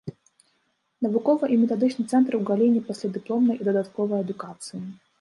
Навуковы і метадычны цэнтр у галіне паслядыпломнай і дадатковай адукацыі.